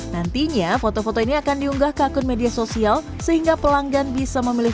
nantinya foto foto ini akan diunggah ke akun media sosial sehingga pelanggan bisa memilih